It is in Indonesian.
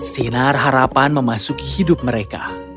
sinar harapan memasuki hidup mereka